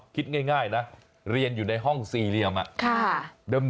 คิดง่ายนะเรียนอยู่ในห้องสี่เหลี่ยม